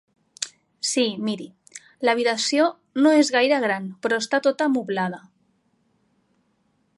Sí, miri: l'habitació no és gaire gran però està tota moblada.